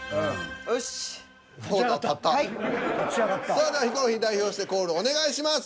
さあではヒコロヒー代表してコールお願いします。